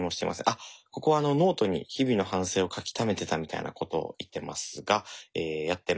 あっここはあのノートに日々の反省を書きためてたみたいなことを言ってますがえやってません。